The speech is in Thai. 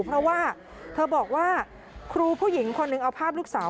เพราะว่าเธอบอกว่าครูผู้หญิงคนหนึ่งเอาภาพลูกสาว